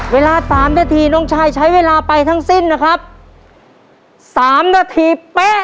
เวลา๓นาทีน้องชายใช้เวลาไปทั้งสิ้นนะครับสามนาทีเป๊ะ